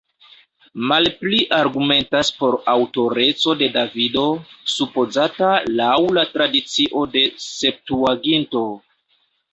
Malpli argumentas por aŭtoreco de Davido, supozata laŭ la tradicio de Septuaginto.